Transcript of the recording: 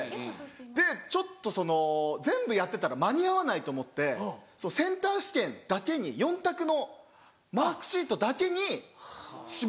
でちょっとその全部やってたら間に合わないと思ってセンター試験だけに４択のマークシートだけに絞って。